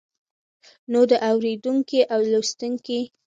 نو د اوريدونکي او لوستونکي